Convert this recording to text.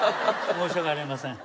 申し訳ありません。